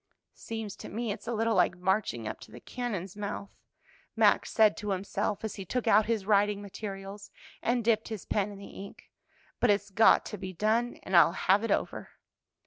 "Seems to me it's a little like marching up to the cannon's mouth," Max said to himself, as he took out his writing materials and dipped his pen in the ink, "but it's got to be done, and I'll have it over."